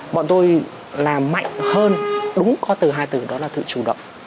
bọn tôi làm mạnh hơn đúng có từ hai từ đó là sự chủ động